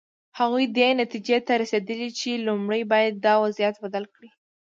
هغوی دې نتیجې ته رسېدلي چې لومړی باید دا وضعیت بدل کړي.